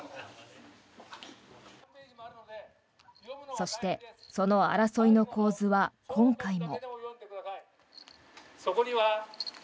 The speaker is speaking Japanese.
そしてその争いの構図は今回も。